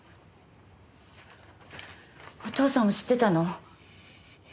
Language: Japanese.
お父さんも知ってたの？